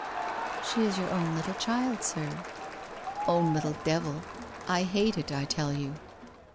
' She is your own little child, sir.' * Own little devil ! I hate it, I tell you.'